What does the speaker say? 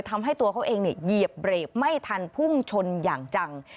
ทำให้ตัวเขาเองเหยียบเบรกไม่ทันพุ่งชนอย่างจัง